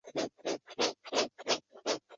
龙代勒河畔拉迪尼亚克人口变化图示